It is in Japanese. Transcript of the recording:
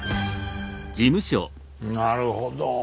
なるほど。